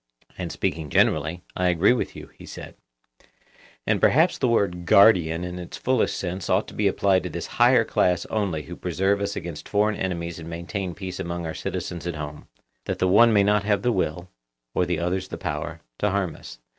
And, speaking generally, I agree with you, he said. And perhaps the word 'guardian' in the fullest sense ought to be applied to this higher class only who preserve us against foreign enemies and maintain peace among our citizens at home, that the one may not have the will, or the others the power, to harm us.